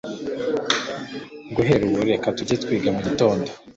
Guhera ubu reka tujye twiga mugitondo.